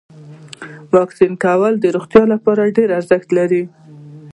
واکسین کول د روغتیا لپاره ډیر ارزښت لري.